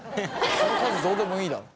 その数どうでもいいだろ。